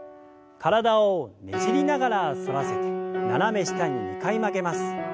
体をねじりながら反らせて斜め下に２回曲げます。